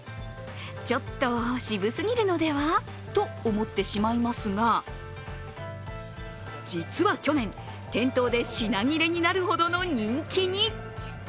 ちょっと渋すぎるのではと思ってしまいますが実は去年、店頭で品切れになるほどの人気に。